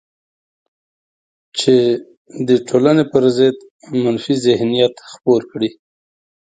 چې د ټولنې پر ضد منفي ذهنیت خپور کړي